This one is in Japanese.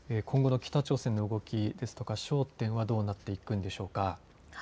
今後の北朝鮮の動きですとか焦点はどうなっていくんでしょうか。